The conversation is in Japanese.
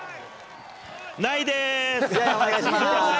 ないでーす。